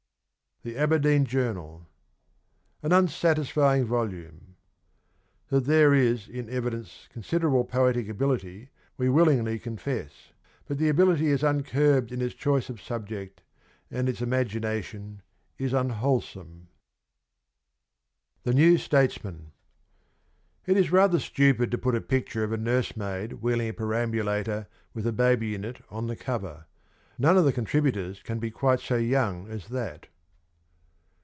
THE ABERDEEN JOURNAL. ... An unsatisfying volume ... that there is in evidence considerable poetic ability we willingly confess, but the ability is uncurbed in its choice of subject, and its imagination is unwholesome. 113 THE NEW STATESMAN. ... It is rather stupid to put a picture of a nursemaid wheeling a perambulator with a baby in it on the cover. None of the contributors can be quite so young as that.